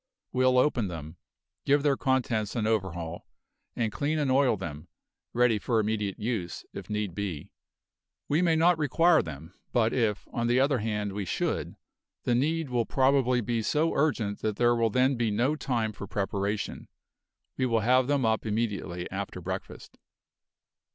We'll open them, give their contents an overhaul, and clean and oil them, ready for immediate use, if need be. We may not require them, but if on the other hand we should, the need will probably be so urgent that there will then be no time for preparation. We will have them up immediately after breakfast."